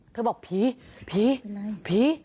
เธอบอกผีผีผี